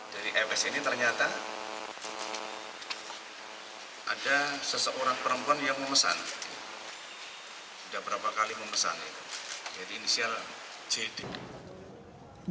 dari ewc ini ternyata ada seseorang perempuan yang memesan